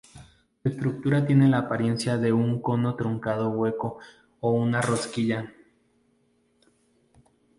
Su estructura tiene la apariencia de un cono truncado hueco o una rosquilla.